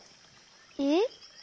えっ？